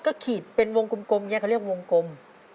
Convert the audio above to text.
ก็ขีดเป็นวงกลมอย่างนี้เขาเรียกวงกลม